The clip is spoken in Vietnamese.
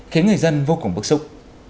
khiến người dân vô cùng bức xúc